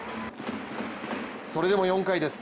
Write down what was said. それでも４回です